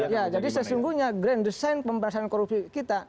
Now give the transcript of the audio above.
ya jadi sesungguhnya grand design pemberantasan korupsi kita